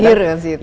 lahir di situ